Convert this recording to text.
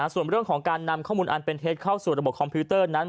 ส่วนเรื่องของการนำข้อมูลอันเป็นเท็จเข้าสู่ระบบคอมพิวเตอร์นั้น